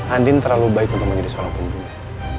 andi terlalu baik untuk menjadi soal pembunuhan